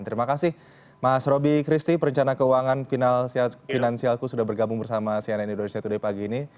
terima kasih mas robby kristi perencana keuangan final sehat finansialku sudah bergabung bersama cnn indonesia today pagi ini